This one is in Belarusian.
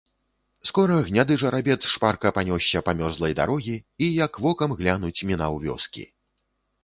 Скора гняды жарабец шпарка панёсся па мёрзлай дарозе і, як вокам глянуць, мінаў вёскі.